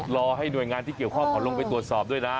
รอให้หน่วยงานที่เกี่ยวข้องเขาลงไปตรวจสอบด้วยนะ